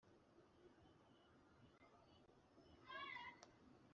Utazi Umurundi amurunda mu nzu.